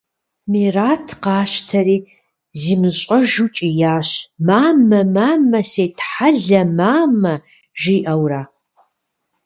Мерэт къащтэри зимыщӀэжу кӀиящ: – Мамэ, мамэ! Сетхьэлэ, мамэ! – жиӀэурэ.